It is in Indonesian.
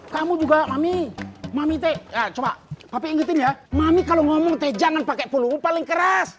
kamu juga mami mami teh coba tapi ingetin ya mami kalau ngomong teh jangan pakai volume paling keras